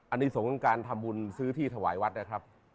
อันนี้สงฆ์การทำบุญซื้อที่ถวายวัดนะครับ